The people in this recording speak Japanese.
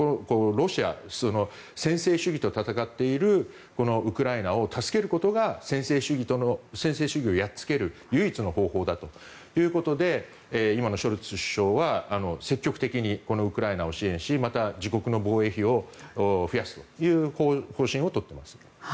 ロシア、専制主義と戦っているウクライナを助けることが専制主義をやっつける唯一の方法だということで今のショルツ首相は積極的にこのウクライナを支援しまた、自国の防衛費を増やすという方針を取っています。